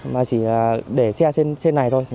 mà chỉ để xe trên này thôi